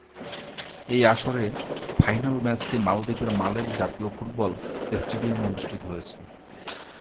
এই আসরে ফাইনাল ম্যাচটি মালদ্বীপের মালের জাতীয় ফুটবল স্টেডিয়ামে অনুষ্ঠিত হয়েছে।